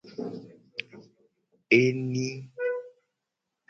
Eni.